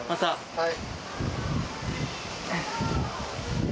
はい。